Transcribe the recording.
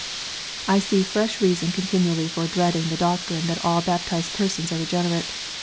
I see fresh reason continually for dreading the doctrine that all baptized persons are regenerate.